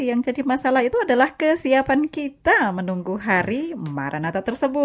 jadi yang jadi masalah itu adalah kesiapan kita menunggu hari maranatha